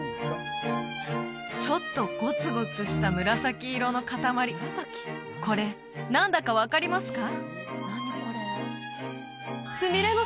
ちょっとゴツゴツした紫色の塊これ何だか分かりますか？